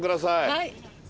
はい。